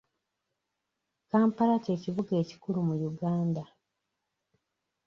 Kampala ky'ekibuga ekikulu mu Uganda.